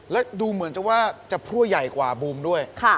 แล้วดูเหมือนจะว่าจะพลั่วใหญ่กว่าบูมด้วย